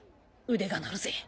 腕が鳴るぜ。